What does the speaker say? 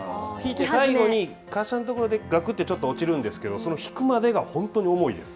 最後に滑車のところでがくっとちょっと落ちるんですけれどもその引くまでが本当に重いです。